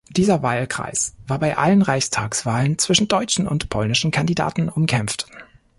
Dieser Wahlkreis war bei allen Reichstagswahlen zwischen deutschen und polnischen Kandidaten umkämpft.